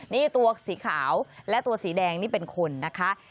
นี่ตัวสีขาวและตัวสีแดงนี่เป็นคนนะคะ